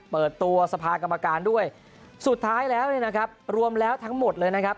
เปิดตัวสภากรรมการด้วยสุดท้ายแล้วเนี่ยนะครับรวมแล้วทั้งหมดเลยนะครับ